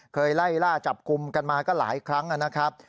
เคยไล่ล่าจับกลุ่มกันมาก็หลายครั้งนะครับ